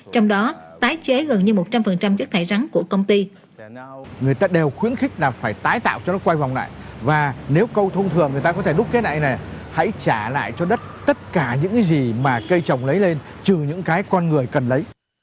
trong đó tái chế gần như một trăm linh chất thải rắn của công ty